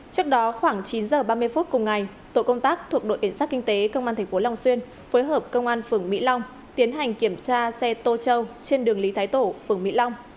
trước đó khoảng chín h ba mươi phút cùng ngày tổ công tác thuộc đội cảnh sát kinh tế công an tp long xuyên phối hợp công an phường mỹ long tiến hành kiểm tra xe tô châu trên đường lý thái tổ phường mỹ long